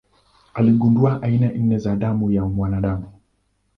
Aligundua aina nne za damu ya mwanadamu.